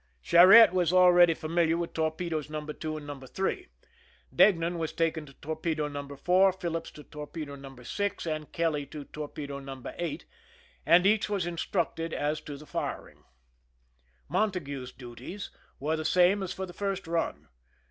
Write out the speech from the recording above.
Charette was already familiar with torpedoes No. 2 and No. 3. Deignan was taken to torpedo No. 4, Phillips to torpedo No. 6, and Kelly to tor pedo No. 8, and each was instructed as to the firing. Montague's duties were the same as for the first run.